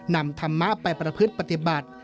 นำธรรมะไปประพฤติปฏิบัติ